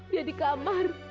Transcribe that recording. dia di kamar